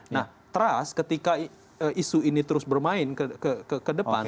nah trust ketika isu ini terus bermain ke depan